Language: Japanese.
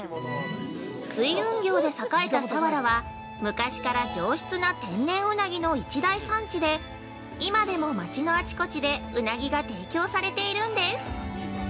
◆水運業で栄えた佐原は昔から上質な天然ウナギの一大産地で今でも町のあちこちでウナギが提供されているんです。